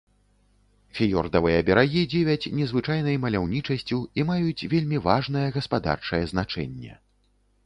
Фіёрдавыя берагі дзівяць незвычайнай маляўнічасцю і маюць вельмі важнае гаспадарчае значэнне.